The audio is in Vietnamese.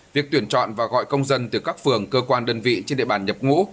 việc tuyển chọn và gọi công dân từ các phường cơ quan đơn vị trên địa bàn nhập ngũ